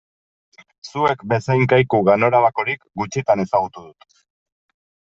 Zuek bezain kaiku ganorabakorik gutxitan ezagutu dut.